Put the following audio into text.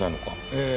ええ。